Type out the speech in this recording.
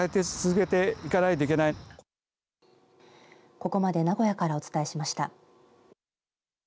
ここまで名古屋からお伝えしました。